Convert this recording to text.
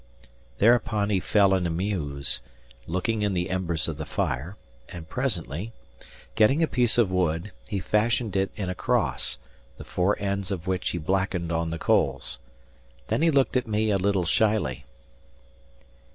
Thereupon he fell in a muse, looking in the embers of the fire; and presently, getting a piece of wood, he fashioned it in a cross, the four ends of which he blackened on the coals. Then he looked at me a little shyly.